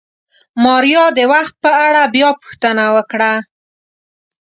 ماريا د وخت په اړه بيا پوښتنه وکړه.